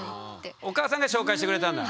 お母さんが紹介してくれたんだ。